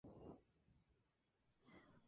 Come insectos.